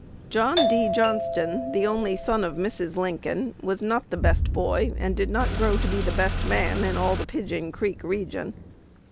John D. Johnston, the only son of Mrs. Lincoln, was not the best boy, and did not grow to be the best man, in all the Pigeon Creek region.